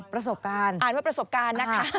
ประสบการณ์อ่านว่าประสบการณ์นะคะ